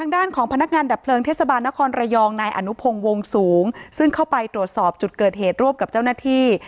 ด้านของพนักงานดับเพลิงเทศบาลนครระยองนายอนุพงศ์วงสูงซึ่งเข้าไปตรวจสอบจุดเกิดเหตุร่วมกับเจ้าหน้าที่